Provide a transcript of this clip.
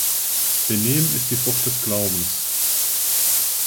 Benehmen ist die Frucht des Glaubens.